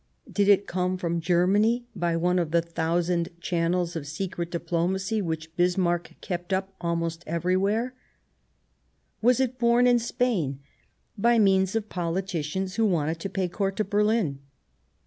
Did it come from Germany by one of the thousand channels of secret diplomacy which Bismarck kept up almost every where ? Was it born in Spain by means of politicians who wanted to pay court to Berlin